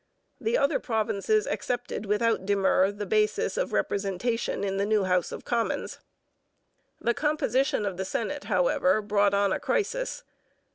The other provinces accepted without demur the basis of representation in the new House of Commons. The composition of the Senate, however, brought on a crisis.